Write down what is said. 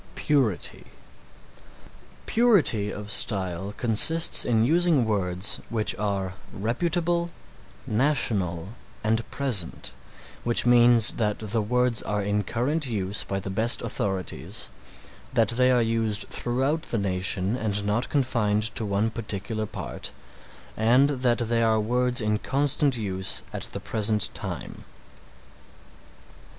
PURITY Purity of style consists in using words which are reputable, national and present, which means that the words are in current use by the best authorities, that they are used throughout the nation and not confined to one particular part, and that they are words in constant use at the present time.